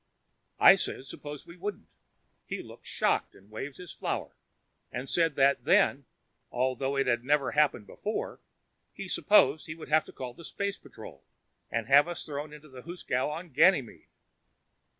I said suppose we wouldn't. He looked shocked and waved his flower and said that then, although it had never happened before, he supposed he would have to call the space patrol and have us thrown into the hoosegow on Ganymede.